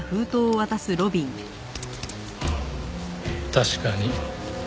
確かに。